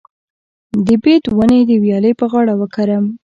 د بید ونې د ویالې په غاړه وکرم؟